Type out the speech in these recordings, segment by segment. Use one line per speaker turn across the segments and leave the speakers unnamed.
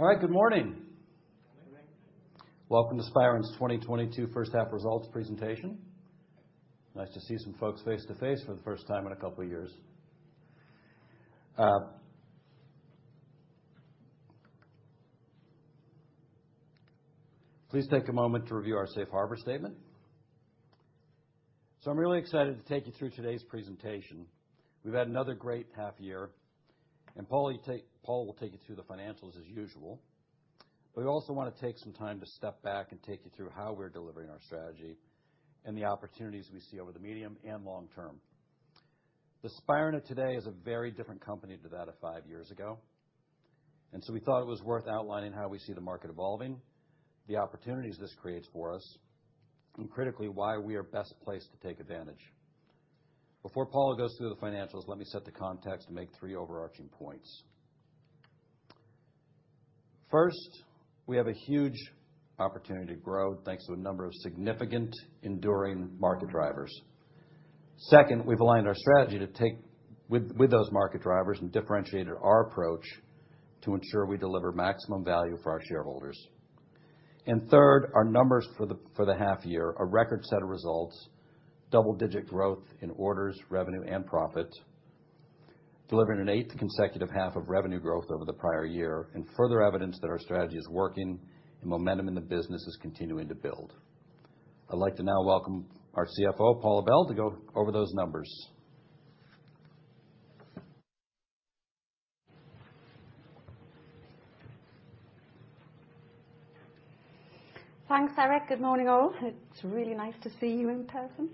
All right, good morning.
Good morning.
Welcome to Spirent's 2022 first half results presentation. Nice to see some folks face-to-face for the first time in a couple years. Please take a moment to review our safe harbor statement. I'm really excited to take you through today's presentation. We've had another great half year, and Paula will take you through the financials as usual. We also wanna take some time to step back and take you through how we're delivering our strategy and the opportunities we see over the medium and long term. The Spirent of today is a very different company to that of 5 years ago, and so we thought it was worth outlining how we see the market evolving, the opportunities this creates for us, and critically, why we are best placed to take advantage. Before Paula goes through the financials, let me set the context and make three overarching points. First, we have a huge opportunity to grow thanks to a number of significant enduring market drivers. Second, we've aligned our strategy to take with those market drivers and differentiated our approach to ensure we deliver maximum value for our shareholders. Third, our numbers for the half year are record set of results, double-digit growth in orders, revenue and profit, delivering an eighth consecutive half of revenue growth over the prior year, and further evidence that our strategy is working and momentum in the business is continuing to build. I'd like to now welcome our CFO, Paula Bell, to go over those numbers.
Thanks, Eric. Good morning, all. It's really nice to see you in person.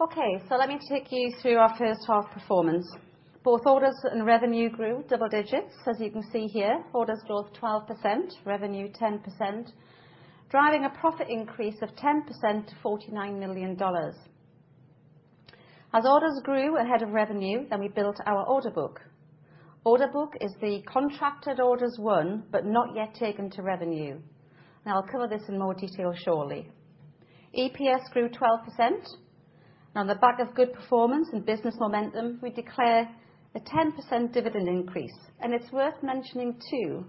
Okay, so let me take you through our first half performance. Both orders and revenue grew double digits. As you can see here, orders grew 12%, revenue 10%, driving a profit increase of 10% to $49 million. As orders grew ahead of revenue, then we built our order book. Order book is the contracted orders won, but not yet taken to revenue. Now, I'll cover this in more detail shortly. EPS grew 12%. On the back of good performance and business momentum, we declare a 10% dividend increase, and it's worth mentioning too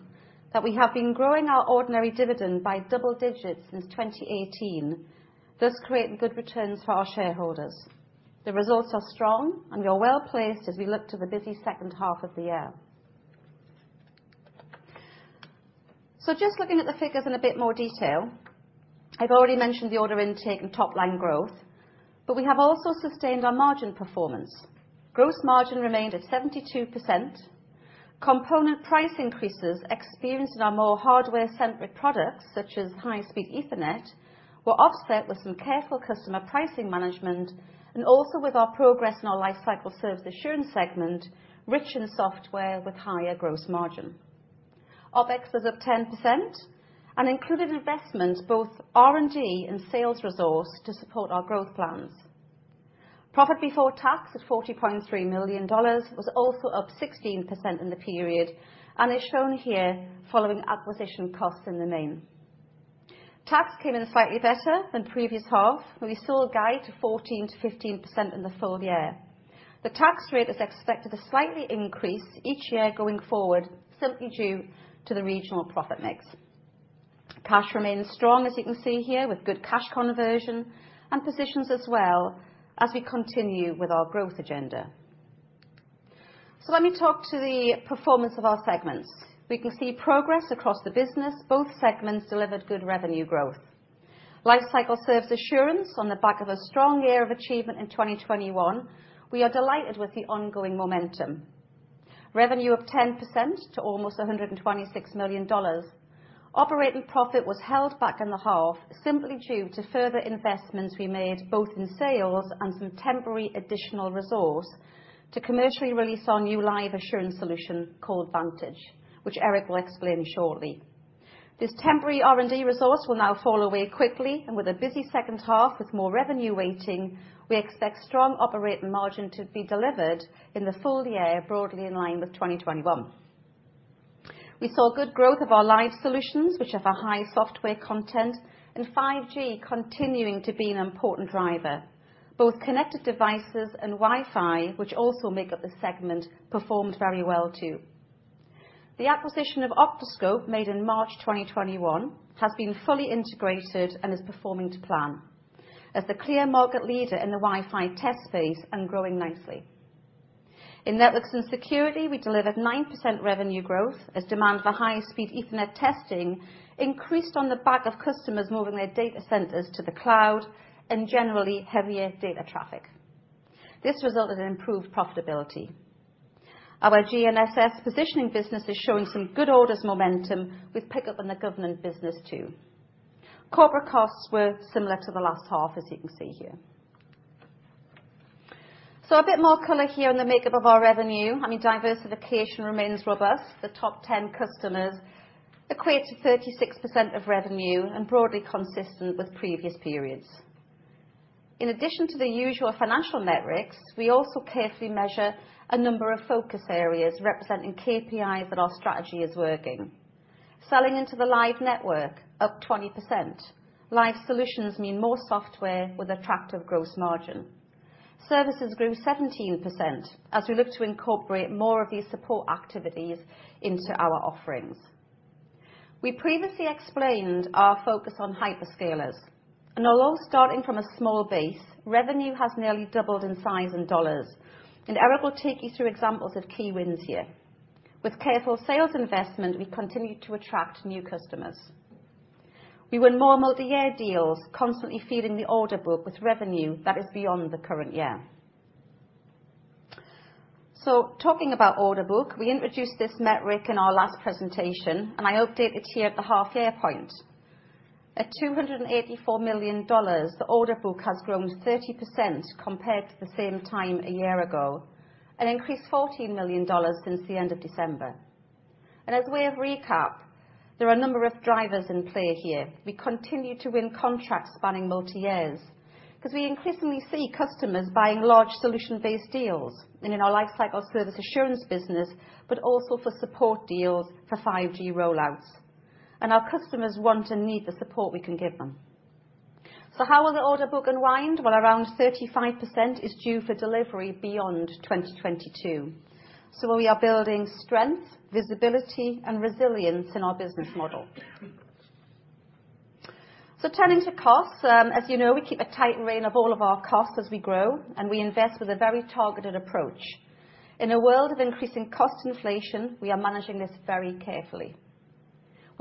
that we have been growing our ordinary dividend by double digits since 2018, thus creating good returns for our shareholders. The results are strong, and we are well-placed as we look to the busy second half of the year. Just looking at the figures in a bit more detail. I've already mentioned the order intake and top-line growth, but we have also sustained our margin performance. Gross margin remained at 72%. Component price increases experienced in our more hardware-centric products, such as high-speed Ethernet, were offset with some careful customer pricing management and also with our progress in our Lifecycle Service Assurance segment, rich in software with higher gross margin. OpEx was up 10% and included investment, both R&D and sales resource, to support our growth plans. Profit before tax at $40.3 million was also up 16% in the period, and is shown here following acquisition costs in the main. Tax came in slightly better than previous half, but we still guide to 14%-15% in the full year. The tax rate is expected to slightly increase each year going forward simply due to the regional profit mix. Cash remains strong, as you can see here, with good cash conversion and positions as well as we continue with our growth agenda. Let me talk to the performance of our segments. We can see progress across the business. Both segments delivered good revenue growth. Lifecycle Service Assurance on the back of a strong year of achievement in 2021, we are delighted with the ongoing momentum. Revenue up 10% to almost $126 million. Operating profit was held back in the half simply due to further investments we made both in sales and some temporary additional resource to commercially release our new live assurance solution called Vantage, which Eric will explain shortly. This temporary R&D resource will now fall away quickly, and with a busy second half with more revenue waiting, we expect strong operating margin to be delivered in the full year, broadly in line with 2021. We saw good growth of our live solutions, which have a high software content, and 5G continuing to be an important driver. Both connected devices and Wi-Fi, which also make up the segment, performed very well too. The acquisition of octoScope, made in March 2021, has been fully integrated and is performing to plan as the clear market leader in the Wi-Fi test space and growing nicely. In Networks and Security, we delivered 9% revenue growth as demand for high-speed Ethernet testing increased on the back of customers moving their data centers to the cloud and generally heavier data traffic. This resulted in improved profitability. Our GNSS positioning business is showing some good orders momentum with pickup in the government business too. Corporate costs were similar to the last half, as you can see here. A bit more color here on the makeup of our revenue. I mean, diversification remains robust. The top 10 customers equate to 36% of revenue and broadly consistent with previous periods. In addition to the usual financial metrics, we also carefully measure a number of focus areas representing KPIs that our strategy is working. Selling into the live network up 20%. Live solutions mean more software with attractive gross margin. Services grew 17% as we look to incorporate more of these support activities into our offerings. We previously explained our focus on hyperscalers. Although starting from a small base, revenue has nearly doubled in size in dollars, and Eric will take you through examples of key wins here. With careful sales investment, we continue to attract new customers. We won more multi-year deals, constantly feeding the order book with revenue that is beyond the current year. Talking about order book, we introduced this metric in our last presentation, and I update it here at the half year point. At $284 million, the order book has grown 30% compared to the same time a year ago and increased $40 million since the end of December. As a way of recap, there are a number of drivers in play here. We continue to win contracts spanning multi-years, 'cause we increasingly see customers buying large solution-based deals and in our Lifecycle Service Assurance business, but also for support deals for 5G roll-outs. Our customers want and need the support we can give them. How will the order book unwind? Well, around 35% is due for delivery beyond 2022, so we are building strength, visibility and resilience in our business model. Turning to costs, as you know, we keep a tight rein of all of our costs as we grow, and we invest with a very targeted approach. In a world of increasing cost inflation, we are managing this very carefully.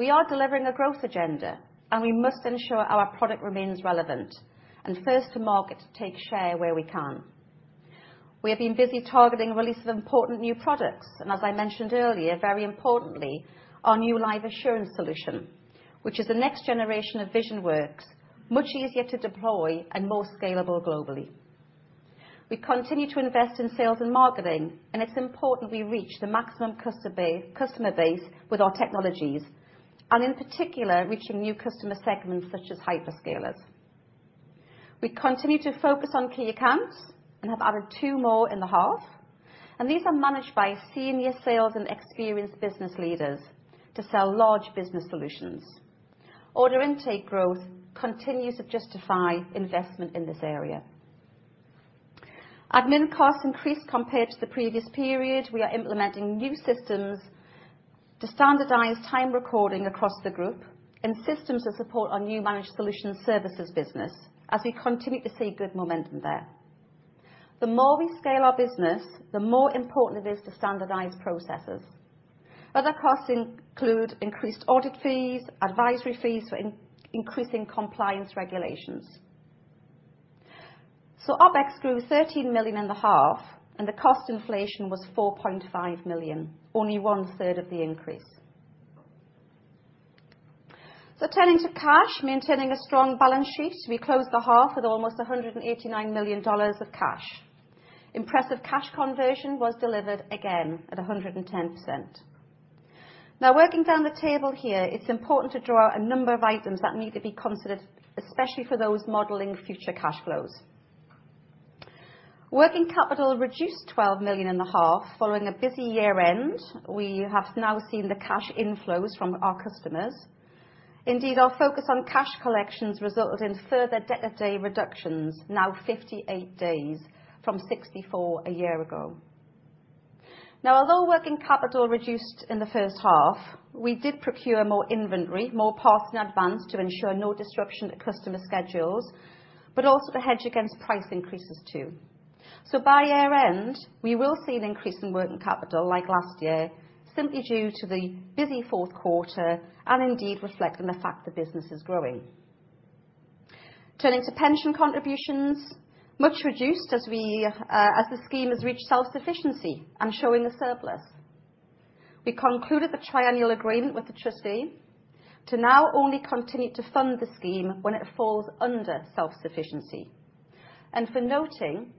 We are delivering a growth agenda, and we must ensure our product remains relevant and first to market to take share where we can. We have been busy targeting the release of important new products, and as I mentioned earlier, very importantly, our new live assurance solution, which is the next generation of VisionWorks, much easier to deploy and more scalable globally. We continue to invest in sales and marketing, and it's important we reach the maximum customer base with our technologies, and in particular reaching new customer segments such as hyperscalers. We continue to focus on key accounts and have added two more in the half, and these are managed by senior sales and experienced business leaders to sell large business solutions. Order intake growth continues to justify investment in this area. Admin costs increased compared to the previous period. We are implementing new systems to standardize time recording across the group and systems to support our new managed solutions services business as we continue to see good momentum there. The more we scale our business, the more important it is to standardize processes. Other costs include increased audit fees, advisory fees for increasing compliance regulations. OpEx grew $13 million in the half, and the cost inflation was $4.5 million, only one-third of the increase. Turning to cash, maintaining a strong balance sheet, we closed the half with almost $189 million of cash. Impressive cash conversion was delivered again at 110%. Now working down the table here, it is important to draw out a number of items that need to be considered, especially for those modeling future cash flows. Working capital reduced $12 million in the half following a busy year end. We have now seen the cash inflows from our customers. Indeed, our focus on cash collections resulted in further debtor day reductions, now 58 days from 64 a year ago. Now although working capital reduced in the first half, we did procure more inventory, more parts in advance to ensure no disruption to customer schedules, but also to hedge against price increases too. By year end, we will see an increase in working capital like last year, simply due to the busy fourth quarter and indeed reflecting the fact the business is growing. Turning to pension contributions, much reduced as we, as the scheme has reached self-sufficiency and showing a surplus. We concluded the triennial agreement with the trustee to now only continue to fund the scheme when it falls under self-sufficiency. For noting,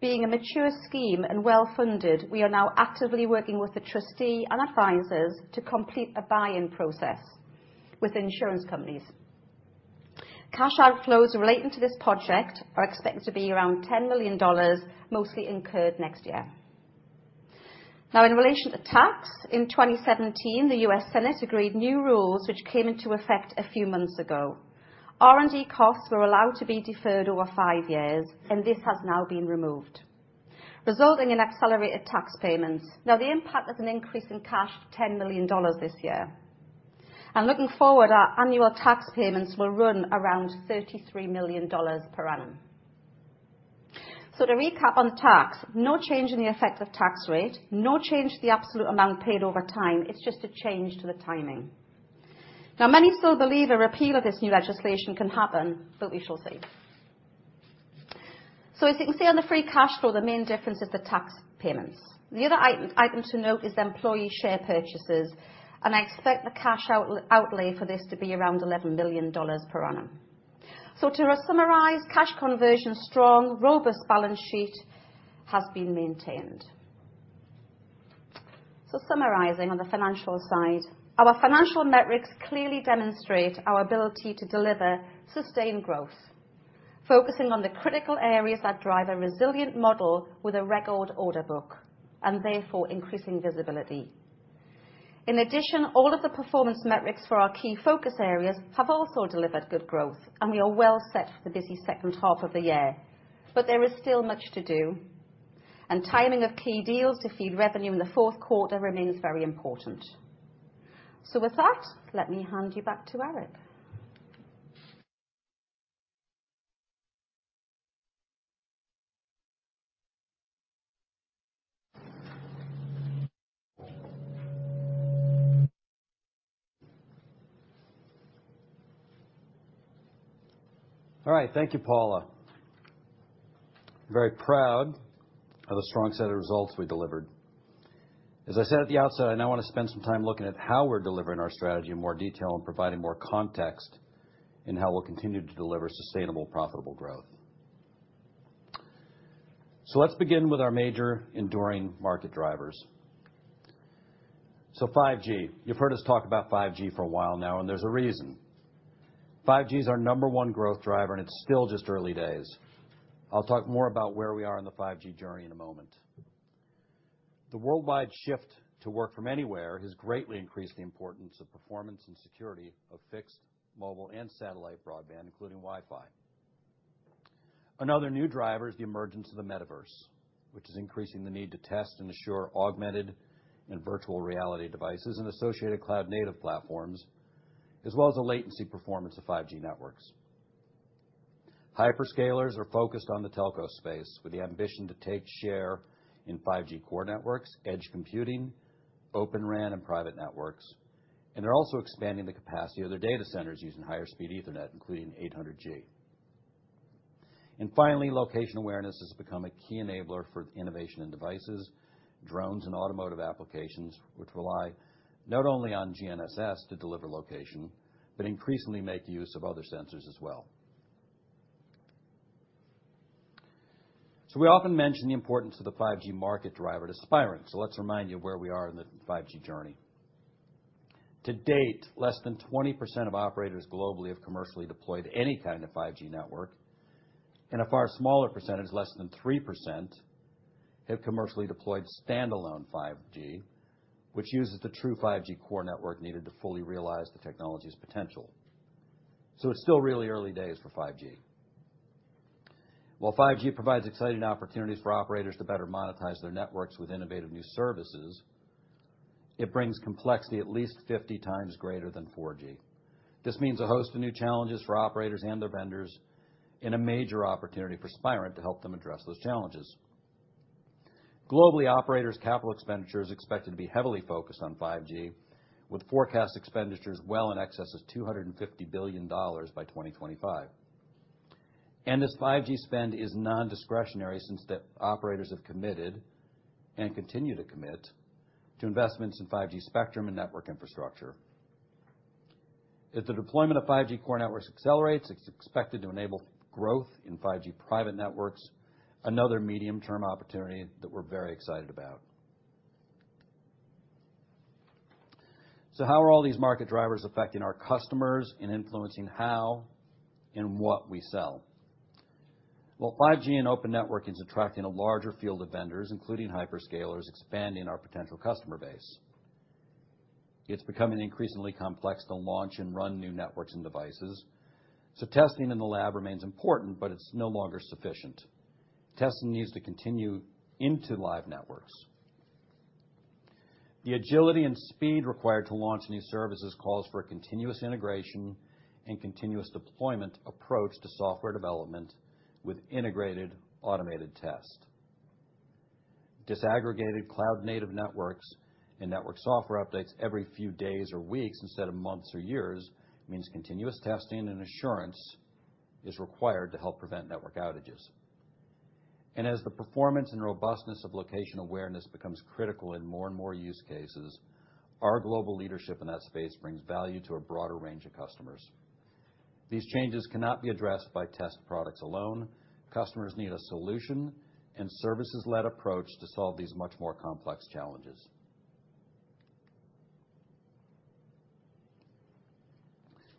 being a mature scheme and well-funded, we are now actively working with the trustee and advisors to complete a buy-in process with insurance companies. Cash outflows relating to this project are expected to be around $10 million, mostly incurred next year. Now in relation to tax, in 2017, the US Senate agreed new rules which came into effect a few months ago. R&D costs were allowed to be deferred over 5 years, and this has now been removed, resulting in accelerated tax payments. Now the impact is an increase in cash tax to $10 million this year. Looking forward, our annual tax payments will run around $33 million per annum. To recap on tax, no change in the effective tax rate, no change to the absolute amount paid over time. It's just a change to the timing. Now many still believe a repeal of this new legislation can happen, but we shall see. As you can see on the free cash flow, the main difference is the tax payments. The other item to note is the employee share purchases, and I expect the cash outlay for this to be around $11 million per annum. To summarize, cash conversion strong, robust balance sheet has been maintained. Summarizing on the financial side, our financial metrics clearly demonstrate our ability to deliver sustained growth. Focusing on the critical areas that drive a resilient model with a record order book, and therefore increasing visibility. In addition, all of the performance metrics for our key focus areas have also delivered good growth, and we are well set for the busy second half of the year. There is still much to do, and timing of key deals to feed revenue in the fourth quarter remains very important. With that, let me hand you back to Eric.
All right. Thank you, Paula. Very proud of the strong set of results we delivered. As I said at the outset, I now want to spend some time looking at how we're delivering our strategy in more detail and providing more context in how we'll continue to deliver sustainable, profitable growth. Let's begin with our major enduring market drivers. 5G. You've heard us talk about 5G for a while now, and there's a reason. 5G is our number one growth driver, and it's still just early days. I'll talk more about where we are in the 5G journey in a moment. The worldwide shift to work from anywhere has greatly increased the importance of performance and security of fixed, mobile, and satellite broadband, including Wi-Fi. Another new driver is the emergence of the metaverse, which is increasing the need to test and assure augmented and virtual reality devices and associated cloud native platforms, as well as the latency performance of 5G networks. Hyperscalers are focused on the telco space with the ambition to take share in 5G core networks, edge computing, Open RAN, and private networks. They're also expanding the capacity of their data centers using higher speed Ethernet, including 800G. Finally, location awareness has become a key enabler for innovation in devices, drones, and automotive applications, which rely not only on GNSS to deliver location, but increasingly make use of other sensors as well. We often mention the importance of the 5G market driver to Spirent. Let's remind you where we are in the 5G journey. To date, less than 20% of operators globally have commercially deployed any kind of 5G network, and a far smaller percentage, less than 3%, have commercially deployed stand-alone 5G, which uses the true 5G core network needed to fully realize the technology's potential. It's still really early days for 5G. While 5G provides exciting opportunities for operators to better monetize their networks with innovative new services, it brings complexity at least 50 times greater than 4G. This means a host of new challenges for operators and their vendors in a major opportunity for Spirent to help them address those challenges. Globally, operators' capital expenditure is expected to be heavily focused on 5G, with forecast expenditures well in excess of $250 billion by 2025. This 5G spend is nondiscretionary since the operators have committed and continue to commit to investments in 5G spectrum and network infrastructure. If the deployment of 5G core networks accelerates, it's expected to enable growth in 5G private networks, another medium-term opportunity that we're very excited about. How are all these market drivers affecting our customers and influencing how and what we sell? Well, 5G and open networking is attracting a larger field of vendors, including hyperscalers, expanding our potential customer base. It's becoming increasingly complex to launch and run new networks and devices, so testing in the lab remains important, but it's no longer sufficient. Testing needs to continue into live networks. The agility and speed required to launch new services calls for a continuous integration and continuous deployment approach to software development with integrated automated test. Disaggregated cloud native networks and network software updates every few days or weeks instead of months or years means continuous testing and assurance is required to help prevent network outages. As the performance and robustness of location awareness becomes critical in more and more use cases, our global leadership in that space brings value to a broader range of customers. These changes cannot be addressed by test products alone. Customers need a solution and services-led approach to solve these much more complex challenges.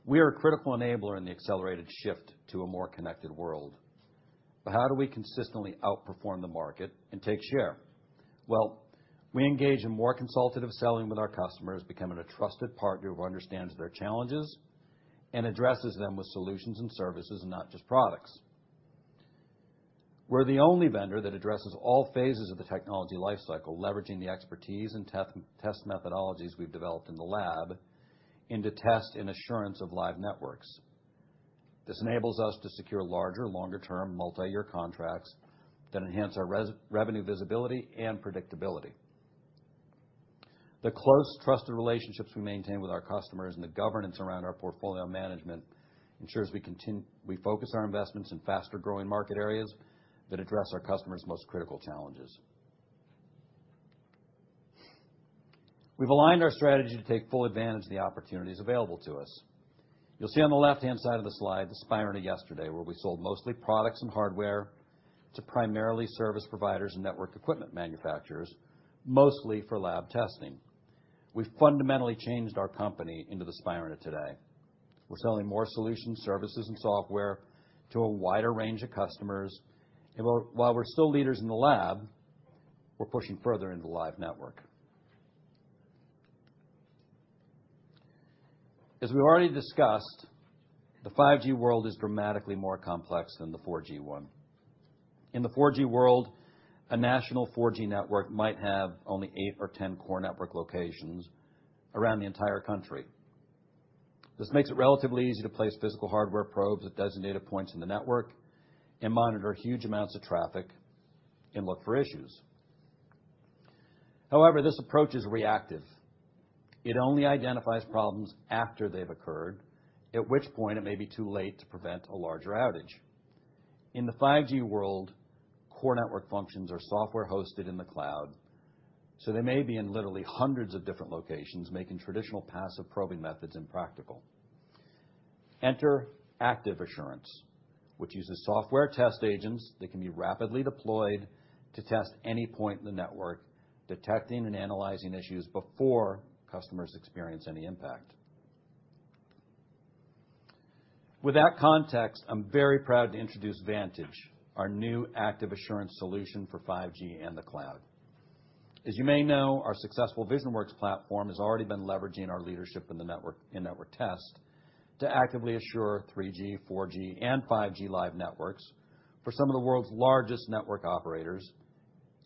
We are a critical enabler in the accelerated shift to a more connected world. How do we consistently outperform the market and take share? Well, we engage in more consultative selling with our customers, becoming a trusted partner who understands their challenges and addresses them with solutions and services, and not just products. We're the only vendor that addresses all phases of the technology life cycle, leveraging the expertise and test methodologies we've developed in the lab into test and assurance of live networks. This enables us to secure larger, longer term, multi-year contracts that enhance our revenue visibility and predictability. The close, trusted relationships we maintain with our customers and the governance around our portfolio management ensures we focus our investments in faster-growing market areas that address our customers' most critical challenges. We've aligned our strategy to take full advantage of the opportunities available to us. You'll see on the left-hand side of the slide the Spirent of yesterday, where we sold mostly products and hardware to primarily service providers and network equipment manufacturers, mostly for lab testing. We've fundamentally changed our company into the Spirent of today. We're selling more solutions, services, and software to a wider range of customers. While we're still leaders in the lab, we're pushing further into live network. As we've already discussed, the 5G world is dramatically more complex than the 4G one. In the 4G world, a national 4G network might have only eight or 10 core network locations around the entire country. This makes it relatively easy to place physical hardware probes at designated points in the network and monitor huge amounts of traffic and look for issues. However, this approach is reactive. It only identifies problems after they've occurred, at which point it may be too late to prevent a larger outage. In the 5G world, core network functions are software hosted in the cloud, so they may be in literally hundreds of different locations, making traditional passive probing methods impractical. Enter Active Assurance, which uses software test agents that can be rapidly deployed to test any point in the network, detecting and analyzing issues before customers experience any impact. With that context, I'm very proud to introduce Vantage, our new Active Assurance solution for 5G and the cloud. As you may know, our successful VisionWorks platform has already been leveraging our leadership in the network, in-network test to actively assure 3G, 4G, and 5G live networks for some of the world's largest network operators,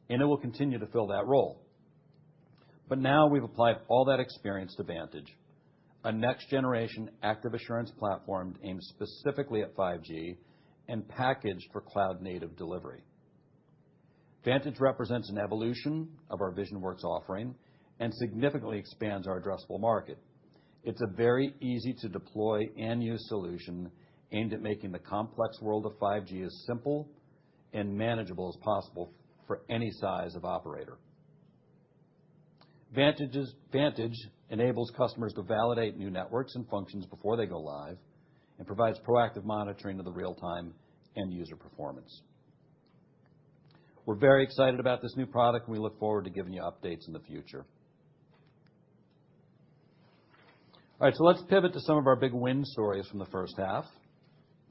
and it will continue to fill that role. Now we've applied all that experience to Vantage, a next generation Active Assurance platform aimed specifically at 5G and packaged for cloud-native delivery. Vantage represents an evolution of our VisionWorks offering and significantly expands our addressable market. It's a very easy to deploy and use solution aimed at making the complex world of 5G as simple and manageable as possible for any size of operator. Vantage enables customers to validate new networks and functions before they go live and provides proactive monitoring of the real-time end user performance. We're very excited about this new product. We look forward to giving you updates in the future. All right, let's pivot to some of our big win stories from the first half.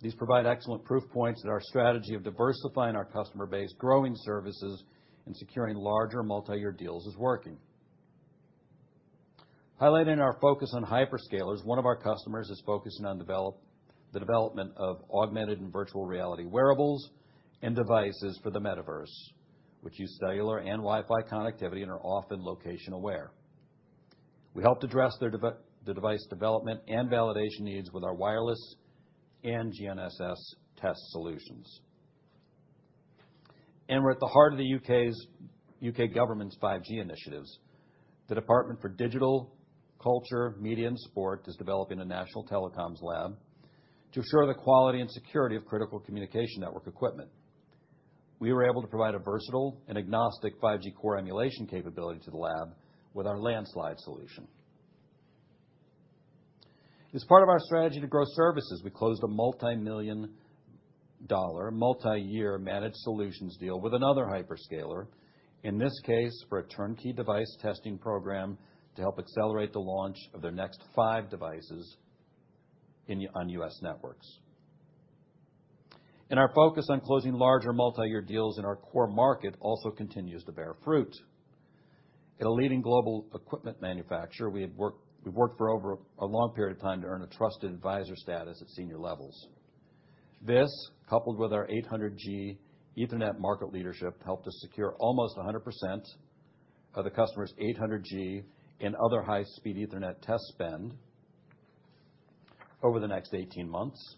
These provide excellent proof points that our strategy of diversifying our customer base, growing services, and securing larger multi-year deals is working. Highlighting our focus on hyperscalers, one of our customers is focusing on the development of augmented and virtual reality wearables and devices for the metaverse, which use cellular and Wi-Fi connectivity and are often location-aware. We helped address their device development and validation needs with our wireless and GNSS test solutions. We're at the heart of the U.K. government's 5G initiatives. The Department for Digital, Culture, Media and Sport is developing a national telecoms lab to assure the quality and security of critical communication network equipment. We were able to provide a versatile and agnostic 5G core emulation capability to the lab with our Landslide solution. As part of our strategy to grow services, we closed a multimillion-dollar, multi-year managed solutions deal with another hyperscaler, in this case, for a turnkey device testing program to help accelerate the launch of their next five devices on U.S. networks. Our focus on closing larger multi-year deals in our core market also continues to bear fruit. At a leading global equipment manufacturer, we worked for over a long period of time to earn a trusted advisor status at senior levels. This, coupled with our 800G Ethernet market leadership, helped us secure almost 100% of the customer's 800G and other high-speed Ethernet test spend over the next 18 months.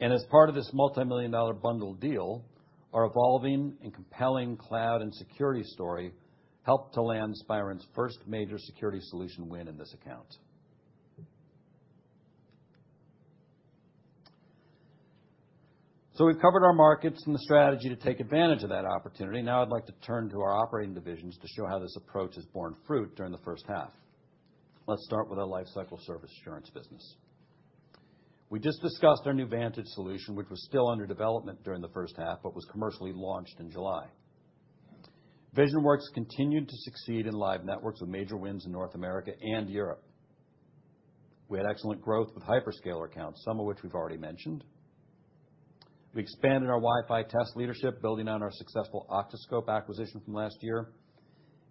As part of this multimillion-dollar bundle deal, our evolving and compelling cloud and security story helped to land Spirent's first major security solution win in this account. We've covered our markets and the strategy to take advantage of that opportunity. Now I'd like to turn to our operating divisions to show how this approach has borne fruit during the first half. Let's start with our Lifecycle Service Assurance business. We just discussed our new Vantage solution, which was still under development during the first half, but was commercially launched in July. VisionWorks continued to succeed in live networks with major wins in North America and Europe. We had excellent growth with hyperscaler accounts, some of which we've already mentioned. We expanded our Wi-Fi test leadership, building on our successful octoScope acquisition from last year,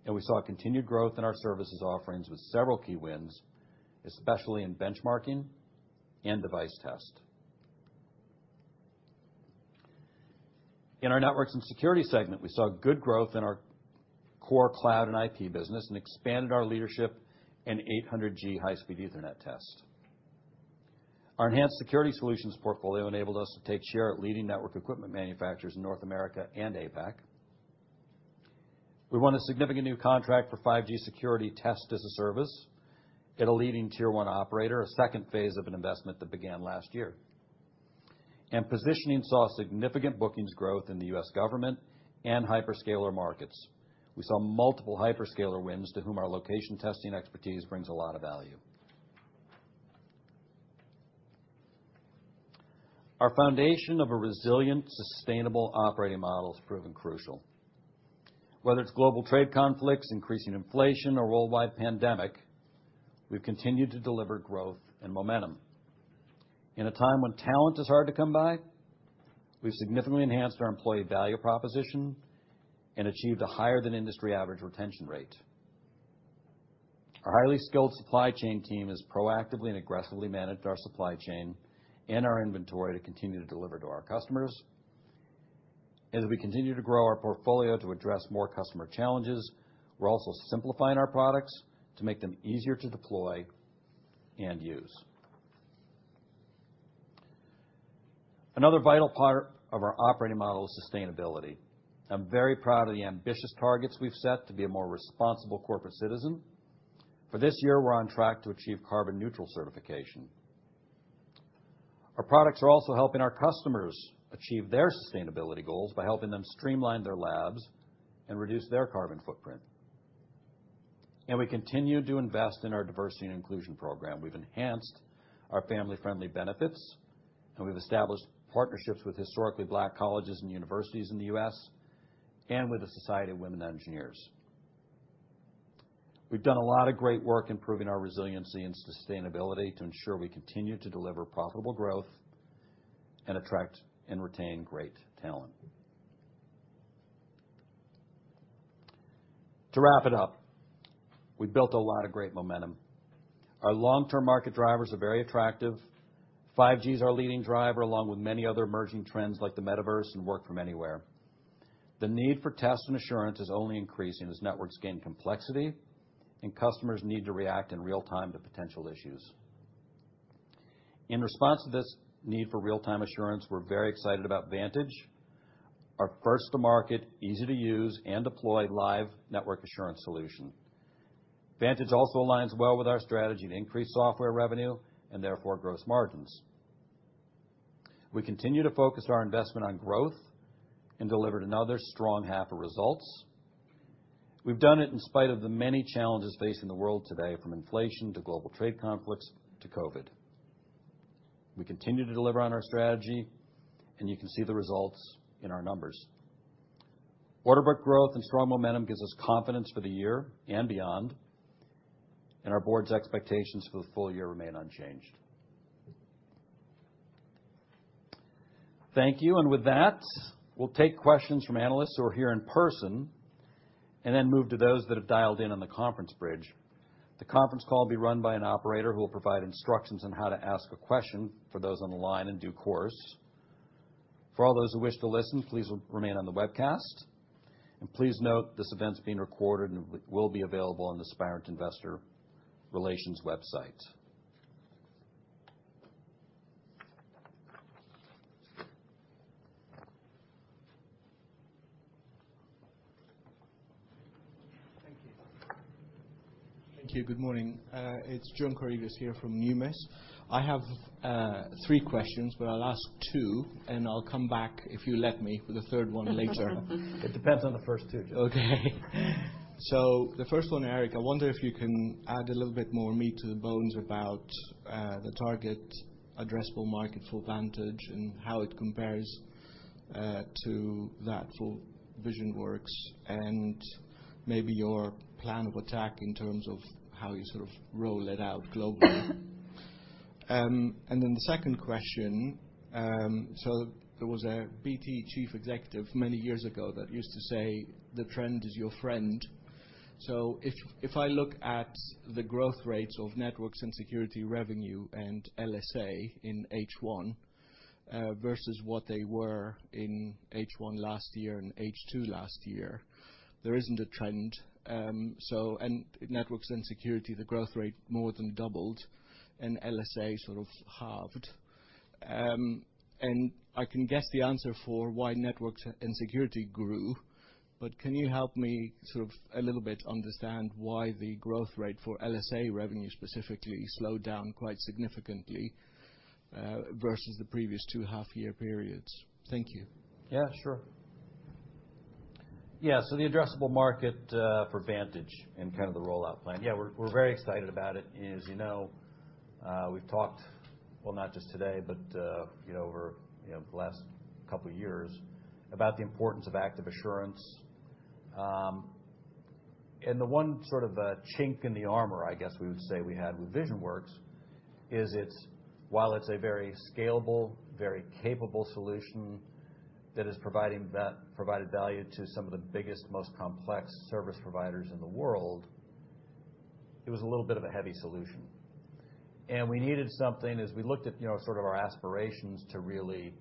and we saw continued growth in our services offerings with several key wins, especially in benchmarking and device test. In our Networks and Security segment, we saw good growth in our core cloud and IP business and expanded our leadership in 800G high-speed Ethernet test. Our enhanced security solutions portfolio enabled us to take share at leading network equipment manufacturers in North America and APAC. We won a significant new contract for 5G security test as a service at a leading tier one operator, a second phase of an investment that began last year. Positioning saw significant bookings growth in the U.S. government and hyperscaler markets. We saw multiple hyperscaler wins to whom our location testing expertise brings a lot of value. Our foundation of a resilient, sustainable operating model has proven crucial. Whether it's global trade conflicts, increasing inflation, or worldwide pandemic, we've continued to deliver growth and momentum. In a time when talent is hard to come by, we've significantly enhanced our employee value proposition and achieved a higher than industry average retention rate. Our highly skilled supply chain team has proactively and aggressively managed our supply chain and our inventory to continue to deliver to our customers. As we continue to grow our portfolio to address more customer challenges, we're also simplifying our products to make them easier to deploy and use. Another vital part of our operating model is sustainability. I'm very proud of the ambitious targets we've set to be a more responsible corporate citizen. For this year, we're on track to achieve carbon neutral certification. Our products are also helping our customers achieve their sustainability goals by helping them streamline their labs and reduce their carbon footprint. We continue to invest in our diversity and inclusion program. We've enhanced our family-friendly benefits, and we've established partnerships with historically Black colleges and universities in the U.S., and with the Society of Women Engineers. We've done a lot of great work improving our resiliency and sustainability to ensure we continue to deliver profitable growth and attract and retain great talent. To wrap it up, we've built a lot of great momentum. Our long-term market drivers are very attractive. 5G is our leading driver, along with many other emerging trends like the metaverse and work from anywhere. The need for test and assurance is only increasing as networks gain complexity and customers need to react in real time to potential issues. In response to this need for real-time assurance, we're very excited about Vantage, our first to market, easy to use and deploy live network assurance solution. Vantage also aligns well with our strategy to increase software revenue and therefore gross margins. We continue to focus our investment on growth and delivered another strong half of results. We've done it in spite of the many challenges facing the world today, from inflation to global trade conflicts to COVID. We continue to deliver on our strategy, and you can see the results in our numbers. Order book growth and strong momentum gives us confidence for the year and beyond, and our board's expectations for the full year remain unchanged. Thank you. With that, we'll take questions from analysts who are here in person and then move to those that have dialed in on the conference bridge. The conference call will be run by an operator who will provide instructions on how to ask a question for those on the line in due course. For all those who wish to listen, please remain on the webcast. Please note this event is being recorded and will be available on the Spirent Investor Relations website.
Thank you. Good morning. It's John Karidis here from Numis. I have three questions, but I'll ask two, and I'll come back if you let me for the third one later.
It depends on the first two.
Okay. The first one, Eric, I wonder if you can add a little bit more meat to the bones about the target addressable market for Vantage and how it compares to that for VisionWorks, and maybe your plan of attack in terms of how you sort of roll it out globally. And then the second question, there was a BT chief executive many years ago that used to say, "The trend is your friend." If I look at the growth rates of Networks and Security revenue and LSA in H1 versus what they were in H1 last year and H2 last year, there isn't a trend. And Networks and Security, the growth rate more than doubled and LSA sort of halved. I can guess the answer for why Networks and Security grew, but can you help me sort of a little bit understand why the growth rate for LSA revenue specifically slowed down quite significantly, versus the previous two half-year periods? Thank you.
Yeah, sure. Yeah, so the addressable market for Vantage and kind of the rollout plan. Yeah, we're very excited about it. As you know, we've talked, well, not just today, but you know, over you know, the last couple years about the importance of Active Assurance. The one sort of chink in the armor, I guess we would say we had with VisionWorks is it's while it's a very scalable, very capable solution that is provided value to some of the biggest, most complex service providers in the world, it was a little bit of a heavy solution. We needed something as we looked at, you know, sort of our aspirations to really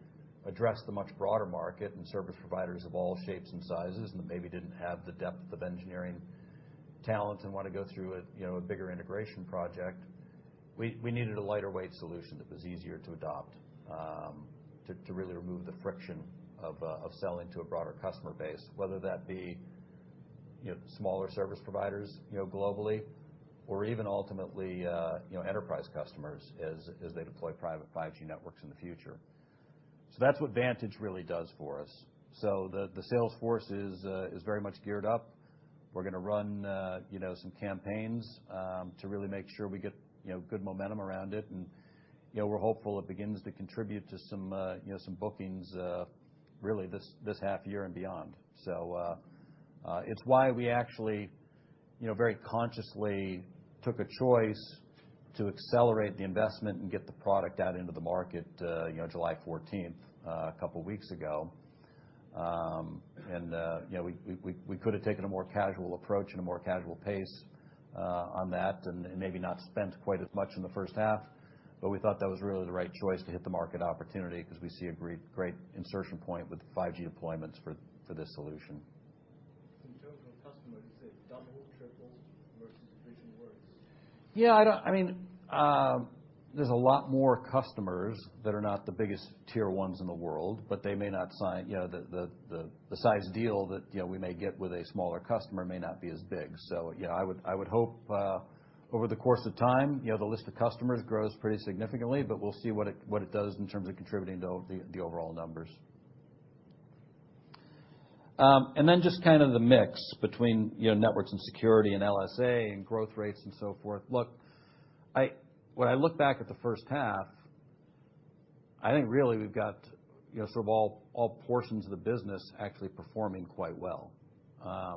address the much broader market and service providers of all shapes and sizes and that maybe didn't have the depth of engineering talent and wanna go through a, you know, a bigger integration project. We needed a lighter weight solution that was easier to adopt, to really remove the friction of selling to a broader customer base. Whether that be, you know, smaller service providers, you know, globally or even ultimately, you know, enterprise customers as they deploy private 5G networks in the future. That's what Vantage really does for us. The sales force is very much geared up. We're gonna run you know some campaigns to really make sure we get you know good momentum around it, and you know we're hopeful it begins to contribute to some you know some bookings really this half year and beyond. It's why we actually you know very consciously took a choice to accelerate the investment and get the product out into the market you know July 14 a couple weeks ago. You know, we could have taken a more casual approach and a more casual pace on that and maybe not spent quite as much in the first half, but we thought that was really the right choice to hit the market opportunity 'cause we see a great insertion point with the 5G deployments for this solution.
In terms of customers, is it double, triple versus VisionWorks?
Yeah. I mean, there's a lot more customers that are not the biggest tier ones in the world, but they may not sign, you know, the size deal that, you know, we may get with a smaller customer may not be as big. I would hope over the course of time, you know, the list of customers grows pretty significantly, but we'll see what it does in terms of contributing to the overall numbers. Then just kind of the mix between, you know, Networks and Security and LSA and growth rates and so forth. Look, when I look back at the first half, I think really we've got, you know, sort of all portions of the business actually performing quite well. I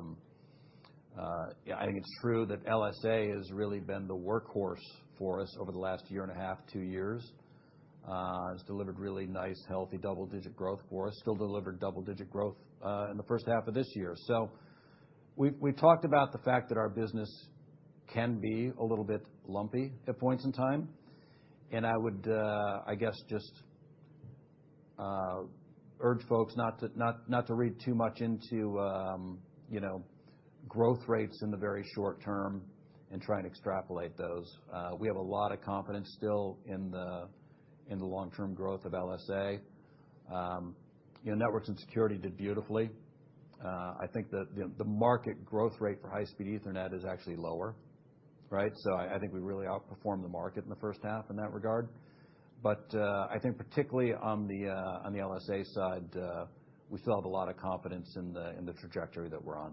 think it's true that LSA has really been the workhorse for us over the last year and a half, two years. It's delivered really nice, healthy, double-digit growth for us. Still delivered double-digit growth in the first half of this year. We've talked about the fact that our business can be a little bit lumpy at points in time, and I would, I guess just, urge folks not to read too much into, you know, growth rates in the very short term and try and extrapolate those. We have a lot of confidence still in the long-term growth of LSA. You know, Networks and Security did beautifully. I think the market growth rate for high-speed Ethernet is actually lower, right? I think we really outperformed the market in the first half in that regard. I think particularly on the LSA side, we still have a lot of confidence in the trajectory that we're on.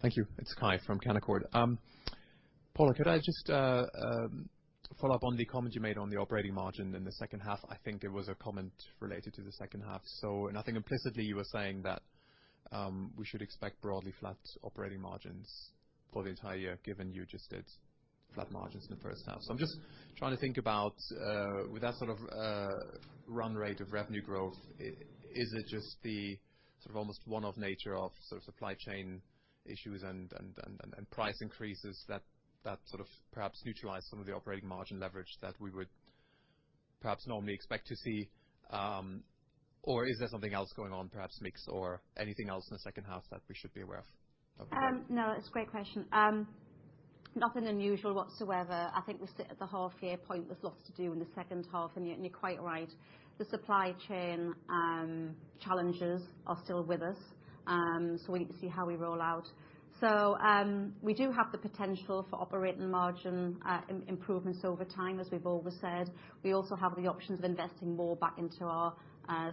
Thank you. It's Kai from Canaccord. Paula, could I just follow up on the comment you made on the operating margin in the second half? I think there was a comment related to the second half. Nothing implicitly you were saying that we should expect broadly flat operating margins for the entire year, given you just did flat margins in the first half. I'm just trying to think about with that sort of run rate of revenue growth, is it just the sort of almost one-off nature of sort of supply chain issues and price increases that sort of perhaps neutralize some of the operating margin leverage that we would perhaps normally expect to see, or is there something else going on, perhaps mix or anything else in the second half that we should be aware of?
No, it's a great question. Nothing unusual whatsoever. I think we sit at the half year point. There's lots to do in the second half, and you're quite right. The supply chain challenges are still with us, so we need to see how we roll out. We do have the potential for operating margin improvements over time, as we've always said. We also have the options of investing more back into our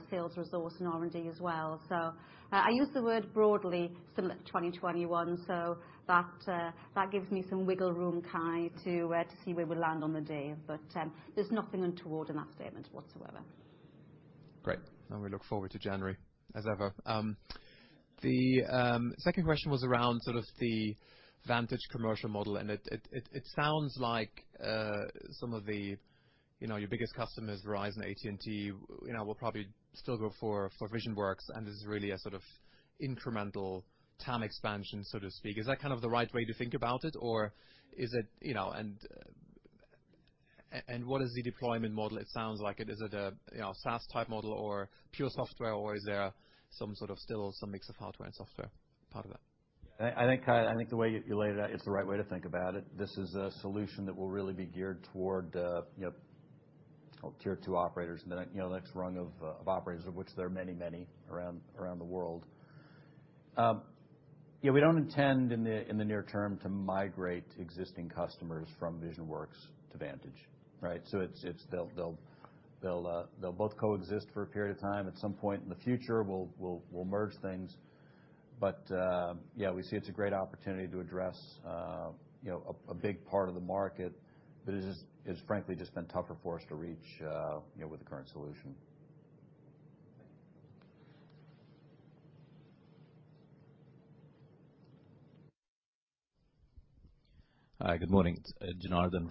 sales resource and R&D as well. I use the word broadly similar to 2021, so that gives me some wiggle room, Kai, to see where we land on the day. There's nothing untoward in that statement whatsoever.
Great. We look forward to January as ever. The second question was around sort of the Vantage commercial model, and it sounds like some of the, you know, your biggest customers, Verizon, AT&T, you know, will probably still go for VisionWorks and is really a sort of incremental TAM expansion, so to speak. Is that kind of the right way to think about it, or is it, you know? What is the deployment model? It sounds like it. Is it a, you know, SaaS type model or pure software, or is there some sort of mix of hardware and software part of that?
I think, Kai, the way you laid it out, it's the right way to think about it. This is a solution that will really be geared toward, you know, tier two operators and the next rung of operators, of which there are many around the world. Yeah, we don't intend in the near term to migrate existing customers from VisionWorks to Vantage, right? They'll both coexist for a period of time. At some point in the future, we'll merge things. Yeah, we see it as a great opportunity to address, you know, a big part of the market that has frankly just been tougher for us to reach, you know, with the current solution.
Thank you.
Hi, good morning. It's Janardan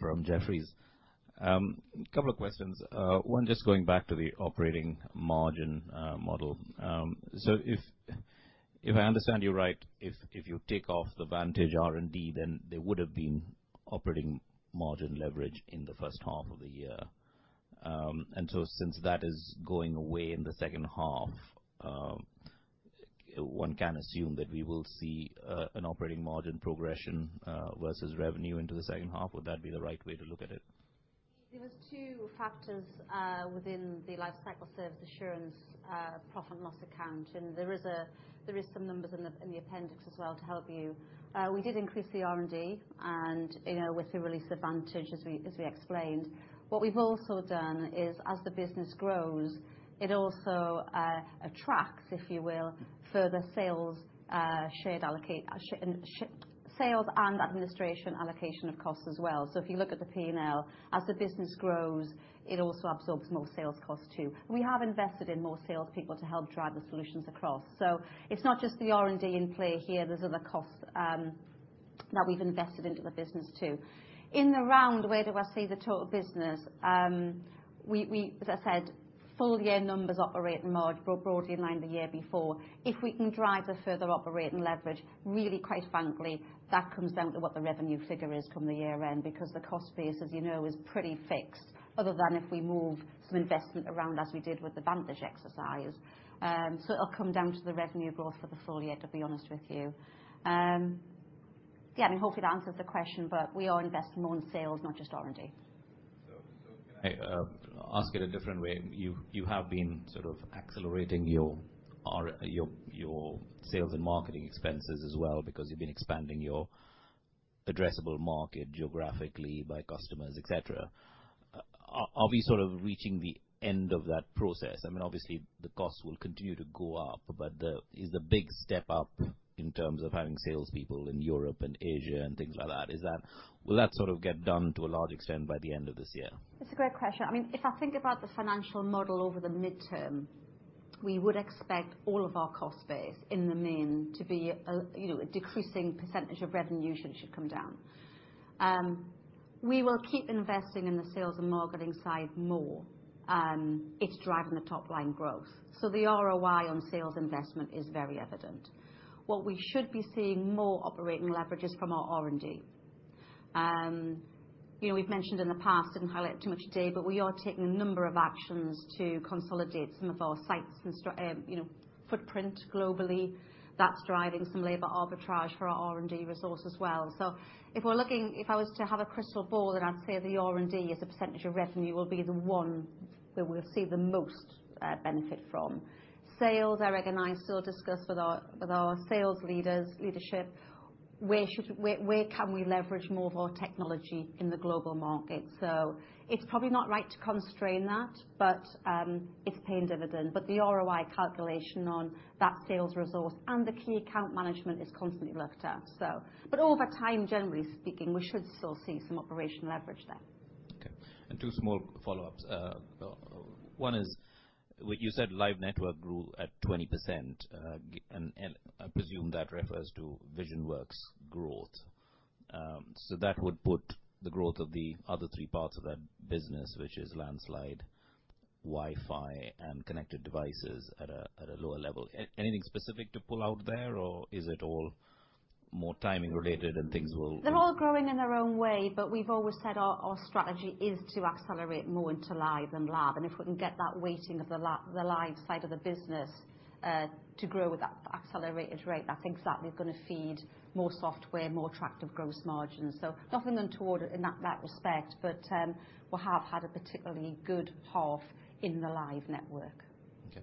from Jefferies. Couple of questions. One, just going back to the operating margin model. So if I understand you right, if you take off the Vantage R&D, then there would've been operating margin leverage in the first half of the year. Since that is going away in the second half, one can assume that we will see an operating margin progression versus revenue into the second half. Would that be the right way to look at it?
There was two factors within the Lifecycle Service Assurance profit and loss account, and there is some numbers in the appendix as well to help you. We did increase the R&D and, you know, with the release of Vantage as we explained. What we've also done is as the business grows, it also attracts, if you will, further sales, shared sales and administration allocation of costs as well. If you look at the P&L, as the business grows, it also absorbs more sales costs too. We have invested in more salespeople to help drive the solutions across. It's not just the R&D in play here, there's other costs that we've invested into the business too. In the round, where do I see the total business? As I said, full year numbers operating margin broadly in line with the year before. If we can drive a further operating leverage, really quite frankly, that comes down to what the revenue figure is come the year end because the cost base, as you know, is pretty fixed other than if we move some investment around as we did with the Vantage exercise. It'll come down to the revenue growth for the full year, to be honest with you. Yeah, I mean, hopefully that answers the question, but we are investing more in sales, not just R&D.
Can I ask it a different way? You have been sort of accelerating your sales and marketing expenses as well because you've been expanding your addressable market geographically by customers, et cetera. Are we sort of reaching the end of that process? I mean, obviously the costs will continue to go up, but is the big step up in terms of having salespeople in Europe and Asia and things like that. Will that sort of get done to a large extent by the end of this year?
That's a great question. I mean, if I think about the financial model over the midterm, we would expect all of our cost base in the main to be, you know, a decreasing percentage of revenue should come down. We will keep investing in the sales and marketing side more. It's driving the top-line growth. The ROI on sales investment is very evident. What we should be seeing more operating leverages from our R&D. You know, we've mentioned in the past, I didn't highlight too much today, but we are taking a number of actions to consolidate some of our sites and footprint globally that's driving some labor arbitrage for our R&D resource as well. If I was to have a crystal ball then I'd say the R&D as a percentage of revenue will be the one that we'll see the most benefit from. Sales, Eric and I still discuss with our sales leadership where we can leverage more of our technology in the global market. It's probably not right to constrain that, but it's paying dividends. The ROI calculation on that sales resource and the key account management is constantly looked at. Over time, generally speaking, we should still see some operational leverage there.
Okay. Two small follow-ups. One is you said live network grew at 20%. I presume that refers to VisionWorks growth. So that would put the growth of the other three parts of that business, which is Landslide, Wi-Fi and connected devices at a lower level. Anything specific to pull out there or is it all more timing related and things will-
They're all growing in their own way, but we've always said our strategy is to accelerate more into live than lab. If we can get that weighting of the live side of the business to grow with that accelerated rate, that's exactly gonna feed more software, more attractive gross margins. Nothing untoward in that respect, but we have had a particularly good half in the live network.
Okay.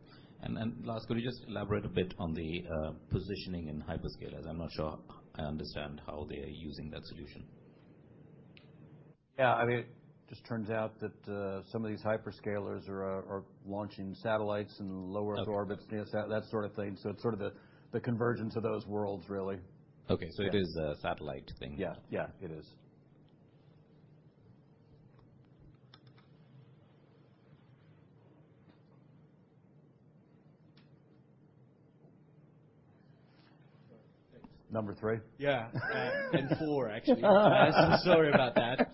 Last, could you just elaborate a bit on the positioning in hyperscalers? I'm not sure I understand how they are using that solution.
Yeah. I mean, it just turns out that some of these hyperscalers are launching satellites in lower orbits.
Okay.
That sort of thing. It's sort of the convergence of those worlds really.
Okay.
Yeah.
It is a satellite thing.
Yeah. Yeah, it is. Number three.
Yeah. Four, actually. Sorry about that.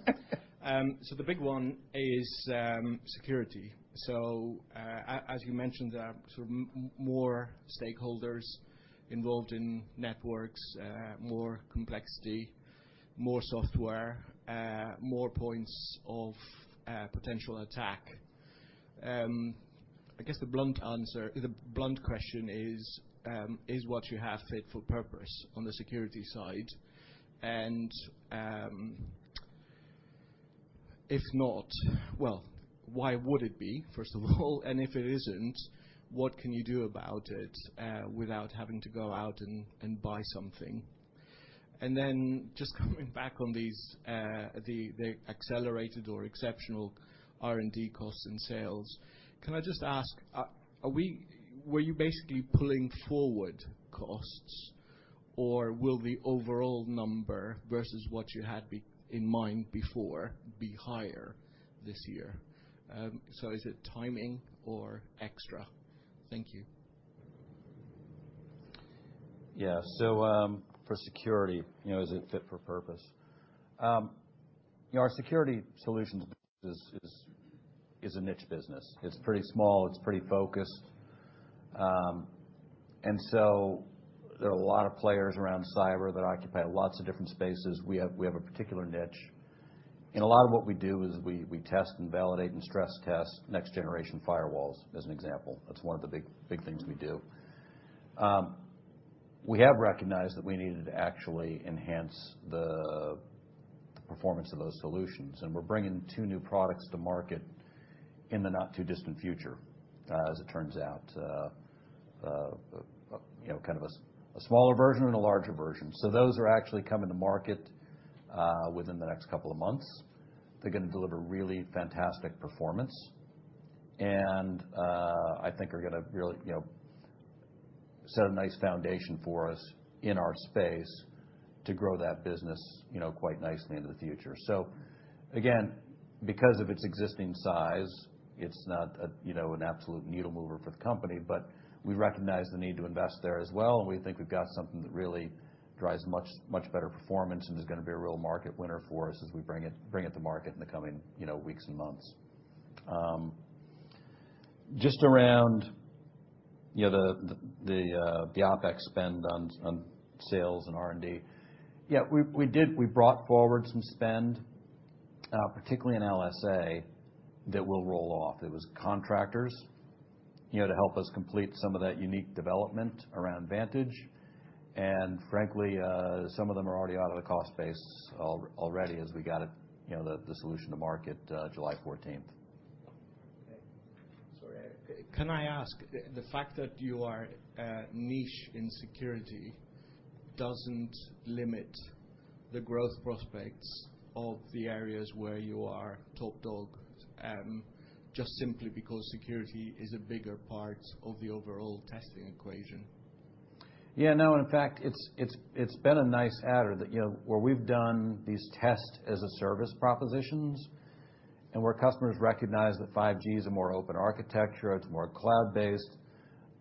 The big one is security. As you mentioned, there are sort of more stakeholders involved in networks, more complexity, more software, more points of potential attack. I guess the blunt question is what you have fit for purpose on the security side? If not, well, why would it be, first of all? If it isn't, what can you do about it without having to go out and buy something? Then just coming back on these, the accelerated or exceptional R&D costs and sales, can I just ask, were you basically pulling forward costs or will the overall number versus what you had in mind before be higher this year? Is it timing or extra? Thank you.
Yeah. So, for security, you know, is it fit for purpose? You know, our security solutions is a niche business. It's pretty small, it's pretty focused. There are a lot of players around cyber that occupy lots of different spaces. We have a particular niche. In a lot of what we do is we test and validate and stress test next-generation firewalls as an example. That's one of the big things we do. We have recognized that we needed to actually enhance the performance of those solutions, and we're bringing two new products to market in the not too distant future, as it turns out, you know, kind of a smaller version and a larger version. Those are actually coming to market within the next couple of months. They're gonna deliver really fantastic performance. I think we're gonna really set a nice foundation for us in our space to grow that business quite nicely into the future. Again, because of its existing size, it's not an absolute needle mover for the company, but we recognize the need to invest there as well, and we think we've got something that really drives much better performance and is gonna be a real market winner for us as we bring it to market in the coming weeks and months. Just around the OpEx spend on sales and R&D. We brought forward some spend, particularly in LSA, that will roll off. It was contractors, you know, to help us complete some of that unique development around Vantage. Frankly, some of them are already out of the cost base already as we got it to market, you know, the solution to market, July fourteenth.
Sorry. Can I ask, the fact that you are a niche in security doesn't limit the growth prospects of the areas where you are top dog, just simply because security is a bigger part of the overall testing equation?
Yeah, no, in fact, it's been a nice adder that, you know, where we've done these Test-as-a-Service propositions and where customers recognize that 5G is a more open architecture, it's more cloud-based,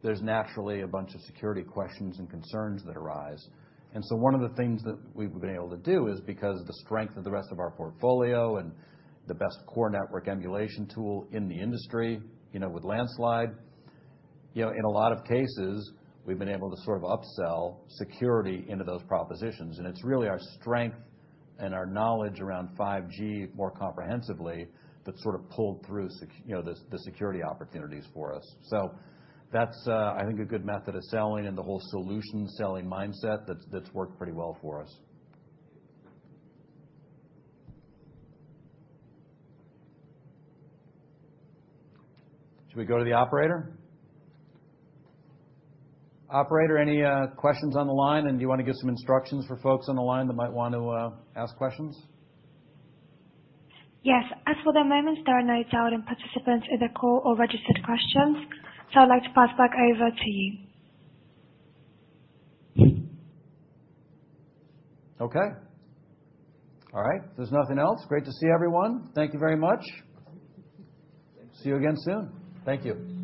there's naturally a bunch of security questions and concerns that arise. One of the things that we've been able to do is because of the strength of the rest of our portfolio and the best core network emulation tool in the industry, you know, with Landslide, you know, in a lot of cases, we've been able to sort of upsell security into those propositions. It's really our strength and our knowledge around 5G more comprehensively that sort of pulled through, you know, the security opportunities for us. That's, I think a good method of selling and the whole solution selling mindset that's worked pretty well for us. Should we go to the operator? Operator, any questions on the line, and do you wanna give some instructions for folks on the line that might want to ask questions?
Yes. As for the moment, there are no dialed-in participants in the call or registered questions. I'd like to pass back over to you.
Okay. All right. If there's nothing else, great to see everyone. Thank you very much.
Thanks.
See you again soon. Thank you.